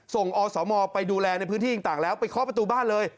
อสมไปดูแลในพื้นที่ต่างแล้วไปเคาะประตูบ้านเลย